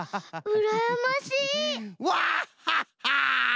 うらやましい？